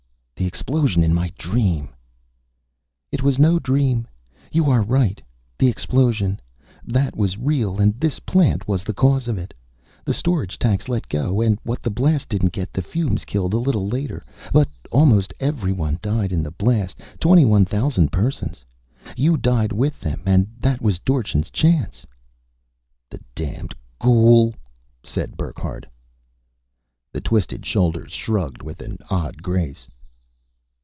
The explosion in my dream." "It was no dream. You are right the explosion. That was real and this plant was the cause of it. The storage tanks let go and what the blast didn't get, the fumes killed a little later. But almost everyone died in the blast, twenty one thousand persons. You died with them and that was Dorchin's chance." "The damned ghoul!" said Burckhardt. The twisted shoulders shrugged with an odd grace.